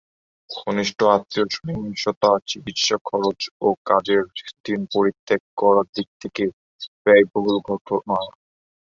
ঘনিষ্ঠ আত্মীয় সহিংসতা, চিকিৎসা খরচ ও কাজের দিন পরিত্যাগ করার দিক থেকে ব্যয়বহুল ঘটনা।